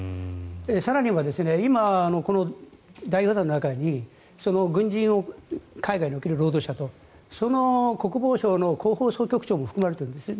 更には今、この代表団の中に軍人を海外に送る労働者と国防省の広報総局長も含まれているんですね。